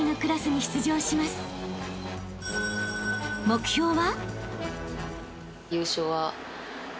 ［目標は？］